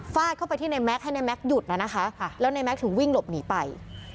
ฟาดเข้าไปที่ในแม็กซ์ให้ในแม็กซ์หยุดแล้วนะคะค่ะแล้วในแม็กซ์ถึงวิ่งหลบหนีไป